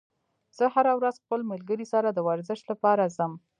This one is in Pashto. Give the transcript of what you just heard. زه هره ورځ خپل ملګري سره د ورزش لپاره ځم